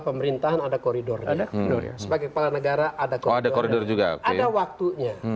pemerintahan ada koridor ada sebagai kepala negara ada kode koridor juga ada waktunya